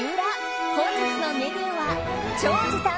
本日のメニューは超時短！